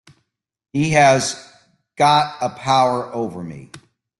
He has got a power over me.